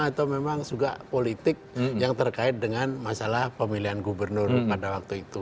atau memang juga politik yang terkait dengan masalah pemilihan gubernur pada waktu itu